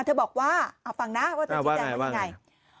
เธอบอกว่าเอาฟังนะว่าเธอชิดแจงเป็นอย่างไร